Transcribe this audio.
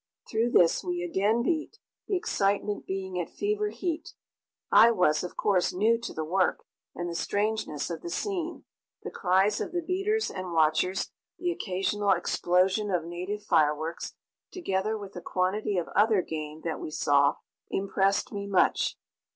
Through this we again beat, the excitement being at fever heat. I was, of course, new to the work, and the strangeness of the scene, the cries of the beaters and watchers, the occasional explosion of native fireworks, together with the quantity of other game that we saw, impressed me much.